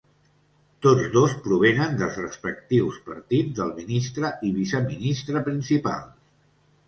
Tots dos provenen dels respectius partits del Ministre i Viceministre Principals.